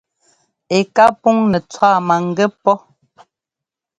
Ɛ ká puŋ nɛ́ tswá maŋgɛ́ pɔ́.